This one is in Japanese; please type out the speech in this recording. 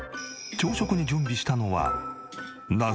朝食に準備したのは。